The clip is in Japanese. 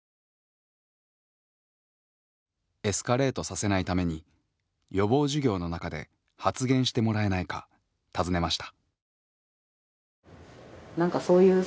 エスカレートさせないために予防授業の中で発言してもらえないか尋ねました。